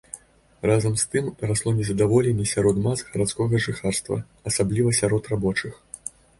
Разам з тым расло нездаволенне сярод мас гарадскога жыхарства, асабліва сярод рабочых.